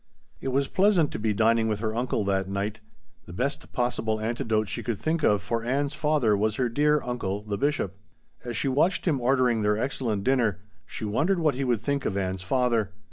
It was pleasant to be dining with her uncle that night. The best possible antidote she could think of for Ann's father was her dear uncle the Bishop. As she watched him ordering their excellent dinner she wondered what he would think of Ann's father.